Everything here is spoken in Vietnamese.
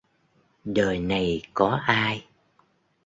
Đời này có ai